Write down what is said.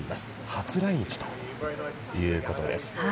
初来日ということです。